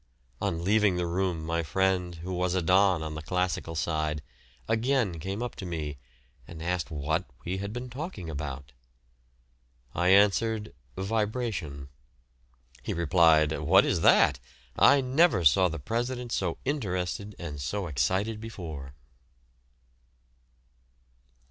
On my leaving the room my friend, who was a don on the classical side, again came up to me, and asked what we had been talking about. I answered "Vibration." He replied, "What is that? I never saw the president so interested and so excited before."